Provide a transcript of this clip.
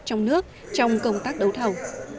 trong nước trong công tác đấu thầu